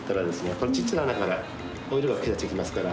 このちっちゃな穴からオイルだけ出てきますから。